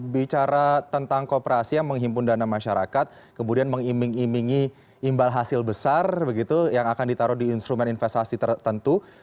bicara tentang kooperasi yang menghimpun dana masyarakat kemudian mengiming imingi imbal hasil besar begitu yang akan ditaruh di instrumen investasi tertentu